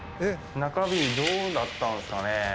中日、どうなったんですかね。